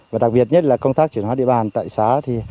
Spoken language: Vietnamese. và đặc biệt nhất là công tác chuyển hóa địa bàn tại xã